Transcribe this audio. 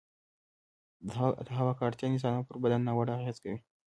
د هـوا ککـړتيـا د انسـانـانو پـر بـدن نـاوړه اغـېزه کـوي